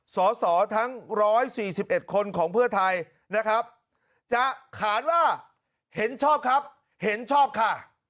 สอสอทั้ง๑๔๑คนของเพื่อไทยนะครับจะขานว่าเห็นชอบครับเห็นชอบค่ะ